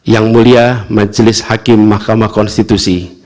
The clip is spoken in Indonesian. yang mulia majelis hakim mahkamah konstitusi